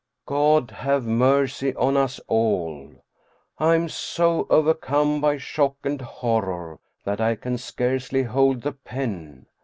God have mercy on us all ! I am so overcome by shock and horror that I can scarcely hold the pen.